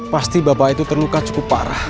pasti bapak itu terluka cukup parah